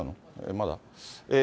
まだ？